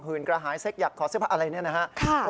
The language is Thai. หื่นกระหายเซ็กอยากขอเสื้อผ้าอะไรอย่างนี้นะครับ